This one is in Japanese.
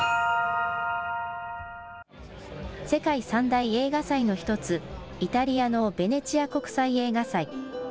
世界三大映画祭の１つ、イタリアのベネチア国際映画祭。